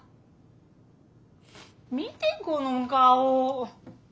見てこの顔。